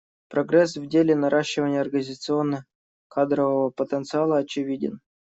Прогресс в деле наращивания организационно-кадрового потенциала очевиден.